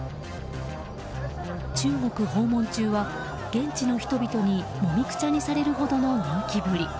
中国訪問中は現地の人々にもみくちゃにされるほどの人気ぶり。